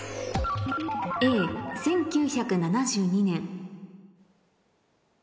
「Ａ１９７２年」